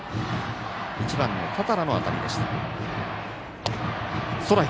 １番の多田羅の当たりでした。